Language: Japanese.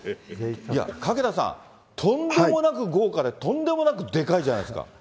懸田さん、とんでもなく豪華で、とんでもなくでかいじゃないですか。